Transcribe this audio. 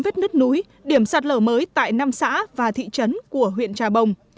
vết nứt núi điểm sạt lở mới tại năm xã và thị trấn của huyện trà bồng